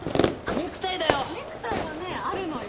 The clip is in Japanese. ネクタイはねあるのよ。